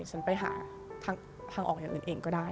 ฉันไปหาทางออกอย่างอื่นเองก็ได้